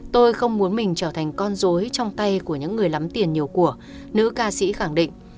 tôi không muốn mình trở thành con dối trong tay của những người lắm tiền nhiều của nữ ca sĩ khẳng định